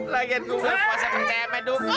lagian gue kuasa pertemek dukun